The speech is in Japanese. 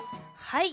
はい！